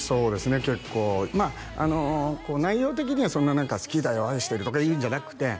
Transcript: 結構まあ内容的にはそんな好きだよ愛してるとかいうんじゃなくて